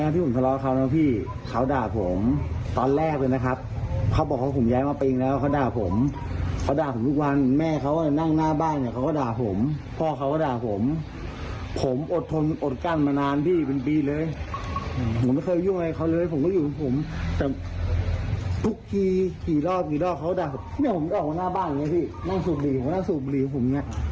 ทุกคร่วงเขาด่าผมแบบนี่ผมอย่างงี้ออกมาข้างหน้าบ้านข้างหน้าสูบหลีของผม